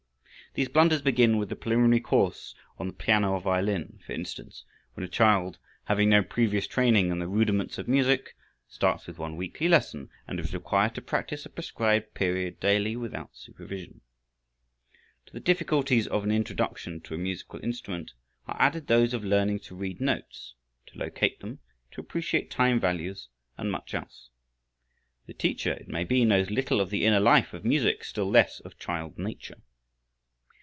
These blunders begin with the preliminary course on the piano or violin, for instance, when a child, having no previous training in the rudiments of music, starts with one weekly lesson, and is required to practice a prescribed period daily without supervision. To the difficulties of an introduction to a musical instrument are added those of learning to read notes, to locate them, to appreciate time values and much else. The teacher, it may be, knows little of the inner life of music, still less of child nature.